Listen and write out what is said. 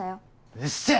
うっせぇ！